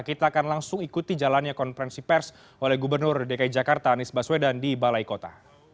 kita akan langsung ikuti jalannya konferensi pers oleh gubernur dki jakarta anies baswedan di balai kota